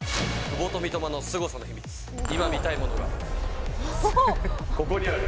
久保と三笘のすごさの秘密、今見たいものが、ここにある。